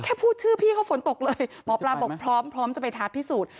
พูดชื่อพี่เขาฝนตกเลยหมอปลาบอกพร้อมพร้อมจะไปท้าพิสูจน์